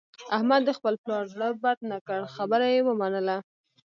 احمد د خپل پلار زړه بد نه کړ، خبره یې ومنله.